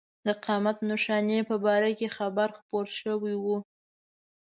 د قیامت نښانې په باره کې خبر خپور شوی و.